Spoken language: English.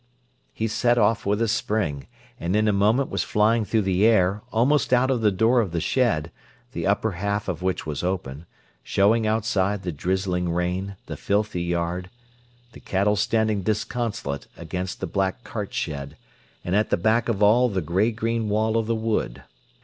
He set off with a spring, and in a moment was flying through the air, almost out of the door of the shed, the upper half of which was open, showing outside the drizzling rain, the filthy yard, the cattle standing disconsolate against the black cartshed, and at the back of all the grey green wall of the wood.